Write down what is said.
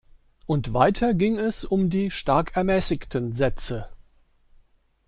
Und weiter ging es um die stark ermäßigten Sätze.